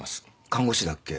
看護師だっけ？